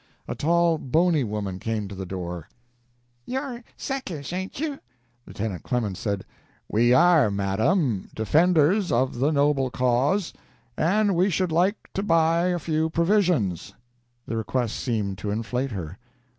A tall, bony woman came to the door. "You're Secesh, ain't you?" Lieutenant Clemens said: "We are, madam, defenders of the noble cause, and we should like to buy a few provisions." The request seemed to inflame her.